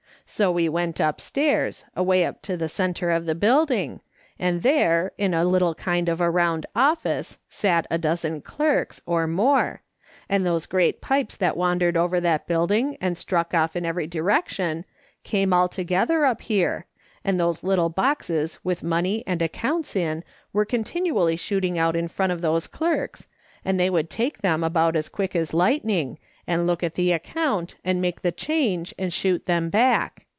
So we went upstairs, away up to the centre of the building, and there, in a little kind of a round office, sat a dozen clerks, or more, and those great pipes that wandered over that building and struck off in every direction, came all together up here, and those little boxes with money and accounts in were continually shooting out in front of these clerks, and they would take them about as quick as lightning, and look at the account and make the change and shoot them back.